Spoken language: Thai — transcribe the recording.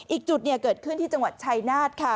อีกจุดเกิดขึ้นที่จังหวัดชายนาฏค่ะ